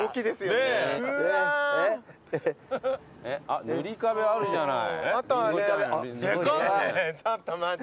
ねえちょっと待って。